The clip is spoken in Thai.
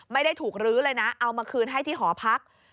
ไม่ได้ถูกลื้อเลยนะเอามาคืนให้ที่หอพัก